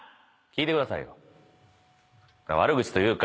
悪口というか。